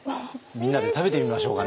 みんなで食べてみましょうかね。